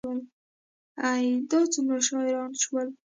ای، دا څومره شاعران شول